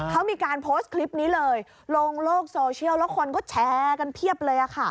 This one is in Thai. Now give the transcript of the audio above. เขามีการโพสต์คลิปนี้เลยลงโลกโซเชียลแล้วคนก็แชร์กันเพียบเลยค่ะ